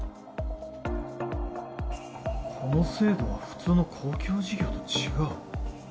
この制度は普通の公共事業と違う。